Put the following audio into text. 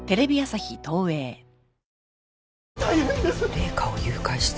麗華を誘拐した。